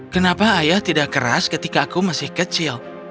kenapa ayah tidak keras ketika aku masih kecil